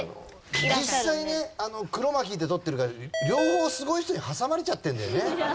実際ねクロマキーで撮ってるから両方すごい人に挟まれちゃってるんだよね。